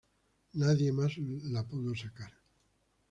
Nadie más la pudo sacar.